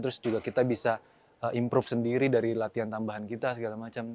terus juga kita bisa improve sendiri dari latihan tambahan kita segala macam